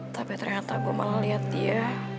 tapi ternyata gue malah liat dia